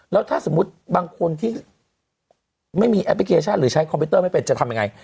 แล้วถ้าสมมุติบางคนที่ไม่มีแอปพลิเคชันหรือใช้คอมพิวเตอร์ไม่เป็นจะทำยังไง